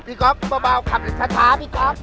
พี่ก๊อฟเป็นประมาณขับอย่างช้าพี่ก๊อฟ